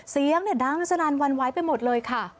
เสียงดังสนั่นวันไหวไปหมดเลยค่ะ